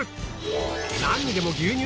なんにでも牛乳？